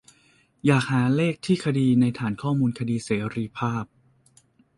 อยากหาเลขที่คดีในฐานข้อมูลคดีเสรีภาพ